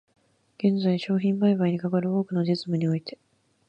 現在、商品売買にかかる多くの実務において、